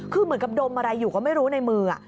คือเหมือนกับดมอะไรอยู่ก็ไม่รู้ในมือ